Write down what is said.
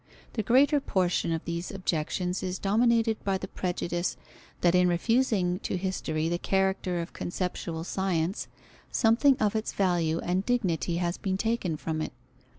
The greater portion of these objections is dominated by the prejudice that in refusing to history the character of conceptual science, something of its value and dignity has been taken from it.